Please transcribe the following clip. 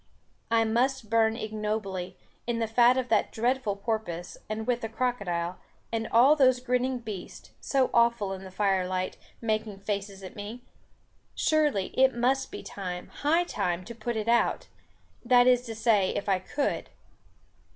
I must burn ignobly, in the fat of that dreadful porpoise, and with the crocodile, and all those grinning beasts, so awful in the firelight, making faces at me! Surely it must be time, high time to put it out; that is to say if I could.